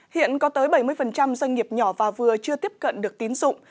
hiện có tới bảy mươi doanh nghiệp nhỏ và vừa chưa tiếp cận được tín dụng